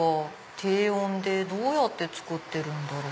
低温でどうやって作ってるんだろう？